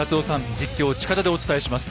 実況近田でお伝えします。